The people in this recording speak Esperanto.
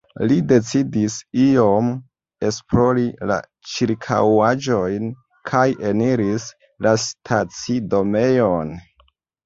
Li decidis iom esplori la ĉirkaŭaĵojn, kaj eniris la stacidomejon.